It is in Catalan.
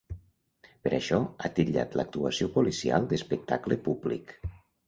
Per això, ha titllat l’actuació policial d‘‘espectacle públic’.